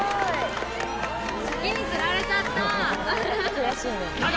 先に釣られちゃった！